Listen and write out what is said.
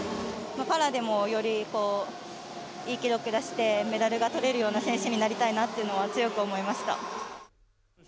パラでもより、いい記録出してメダルがとれるような選手になりたいなっていうのは強く思いました。